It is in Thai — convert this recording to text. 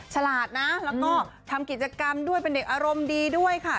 ฉลาดนะแล้วก็ทำกิจกรรมด้วยเป็นเด็กอารมณ์ดีด้วยค่ะ